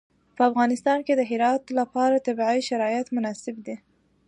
په افغانستان کې د هرات لپاره طبیعي شرایط مناسب دي.